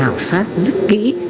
và hảo sát rất kỹ